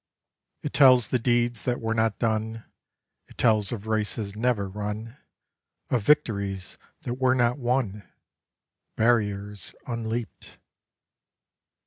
It tells the deeds that were not done, It tells of races never run, Of victories that were not won, Barriers unleaped.